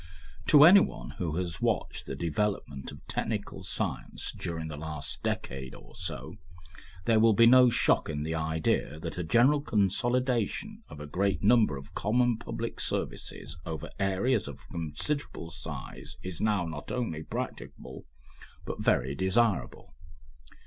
To anyone who has watched the development of technical science during the last decade or so, there will be no shock in the idea that a general consolidation of a great number of common public services over areas of considerable size is now not only practicable, but very desirable.